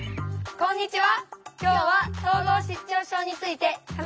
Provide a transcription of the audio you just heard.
こんにちは。